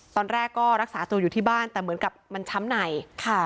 ตอนแรกก็รักษาตัวอยู่ที่บ้านแต่เหมือนกับมันช้ำในค่ะ